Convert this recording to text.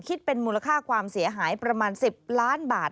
คิดเป็นมูลค่าความเสียหายประมาณ๑๐ล้านบาท